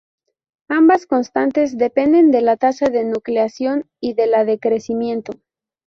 Ambas constantes dependen de la tasa de nucleación y de la de crecimiento.